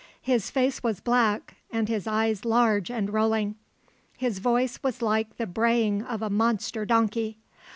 His face was black and his eyes large and rolling. His voice was like the braying of a monster donkey.